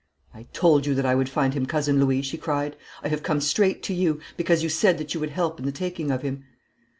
'I told you that I would find him, Cousin Louis!' she cried; 'I have come straight to you, because you said that you would help in the taking of him.'